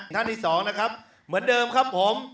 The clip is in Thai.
ท่านที่๒นะครับเหมือนเดิมครับผม